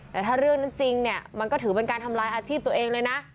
แต่ถ้าเรื่องนั้นจริงเนี่ยมันก็ถือเป็นการทำลายอาชีพตัวเองเลยนะ